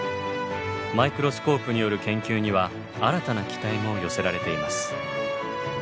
マイクロスコープによる研究には新たな期待も寄せられています。